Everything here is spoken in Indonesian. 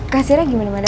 kasirnya gimana madem